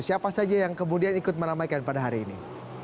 siapa saja yang kemudian ikut meramaikan pada hari ini